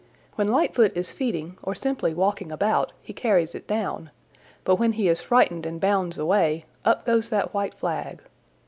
When Lightfoot is feeding or simply walking about he carries it down, but when he is frightened and bounds away, up goes that white flag.